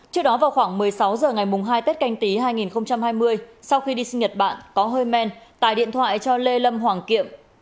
trước đó vào khoảng một mươi sáu h ngày hai tết canh tí hai nghìn hai mươi sau khi đi nhật bản có hơi men tài điện thoại cho lê lâm hoàng kiệm